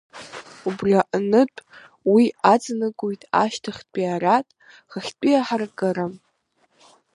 Убри аҟнытә уи аҵанакуеит ашьҭахьтәи ариад хыхьтәи аҳаракыра.